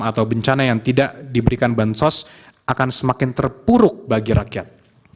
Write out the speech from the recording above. atau bencana yang tidak diberikan bansos akan semakin terpuruk bagi rakyat